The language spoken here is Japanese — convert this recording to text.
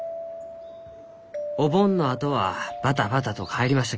お盆のあとはバタバタと帰りました